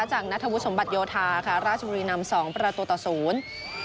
จากนัทวุฒสมบัติโยธาค่ะราชบุรีนำสองประตูต่อศูนย์